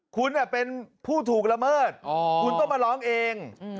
คุณเป็นผู้ถูกละเมิดคุณต้องมาร้องเอง